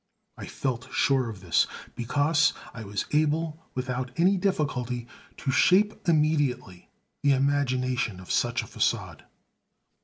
I felt sure of this, because I was able, without any difficulty, to shape immediately the imagination of such a façade.